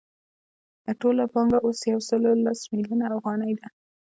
ټوله پانګه اوس یو سل لس میلیونه افغانۍ ده